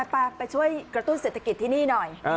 ไปช่วยกระตุ้นเศรษฐกิจที่นี่หน่อย